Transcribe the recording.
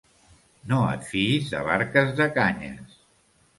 No et fiïs de barques de canyes.